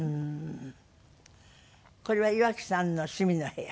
これは岩城さんの趣味の部屋？